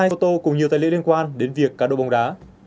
hai ô tô cùng nhiều tài liệu liên quan đến việc cá độ bóng đá